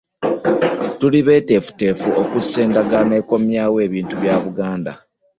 Tuli beeteefuteefu okussa endagaano ekomyawo ebintu bya Buganda